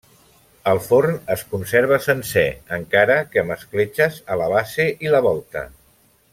El forn es conserva sencer, encara que amb escletxes a la base i la volta.